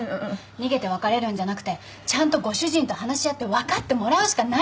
逃げて別れるんじゃなくてちゃんとご主人と話し合って分かってもらうしかないって言ってんの。